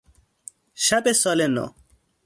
شب سال نو